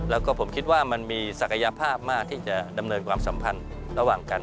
แล้วก็ผมคิดว่ามันมีศักยภาพมากที่จะดำเนินความสัมพันธ์ระหว่างกัน